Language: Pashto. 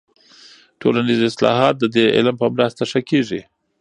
ټولنیز اصلاحات د دې علم په مرسته ښه کیږي.